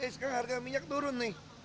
sekarang harga minyak turun nih